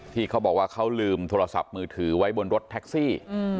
เขาบอกว่าเขาลืมโทรศัพท์มือถือไว้บนรถแท็กซี่